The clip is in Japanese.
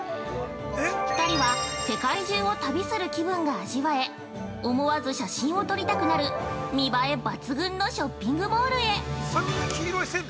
２人は世界中を旅する気分が味わえ、思わず、写真を撮りたくなる、見ばえ抜群のショッピングモールへ。